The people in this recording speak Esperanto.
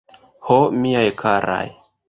Ho, miaj karaj!